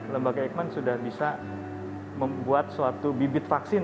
lembaga eijkman sudah bisa membuat suatu bibit vaksin